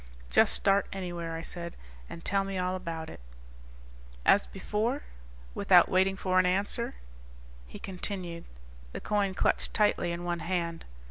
"Just start anywhere," I said, "and tell me all about it." "As before?" Without waiting for an answer, he continued, the coin clutched tightly in one hand.